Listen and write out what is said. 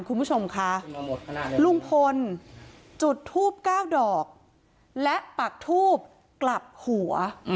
คุณผู้ชมค่ะลุงพลจุดทูบ๙ดอกและปักทูบกลับหัว